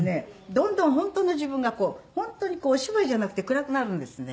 どんどん本当の自分がこう本当にお芝居じゃなくて暗くなるんですね。